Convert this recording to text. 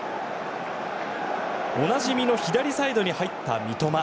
おなじみの左サイドに入った三笘。